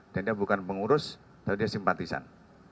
dan dia bukan pengurus tapi dia simpatisan